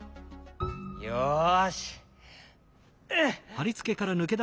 よし！